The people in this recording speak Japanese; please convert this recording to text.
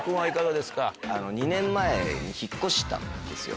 ２年前に引っ越したんですよ。